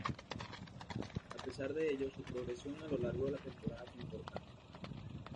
A pesar de ello, su progresión a lo largo de la temporada fue importante.